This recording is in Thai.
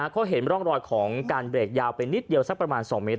ก็เห็นร่องรอยของการเบรกยาวไปนิดเดียวสักประมาณ๒เมตร